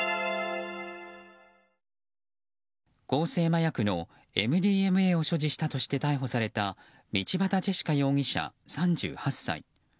合成麻薬のＭＤＭＡを所持したとして逮捕された道端ジェシカ容疑者、３８歳。